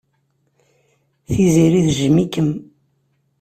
Tiziri tejjem-ikem.